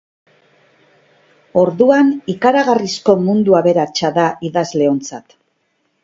Orduan, ikaragarrizko mundu aberatsa da idazleontzat.